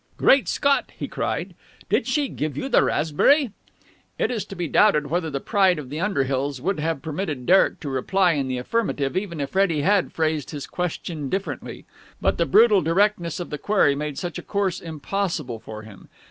"Great Scott!" he cried. "Did she give you the raspberry?" It is to be doubted whether the pride of the Underhills would have permitted Derek to reply in the affirmative, even if Freddie had phrased his question differently; but the brutal directness of the query made such a course impossible for him.